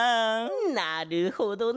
なるほどね！